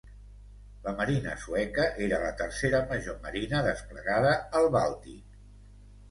La Marina Sueca era la tercera major marina desplegada al Bàltic.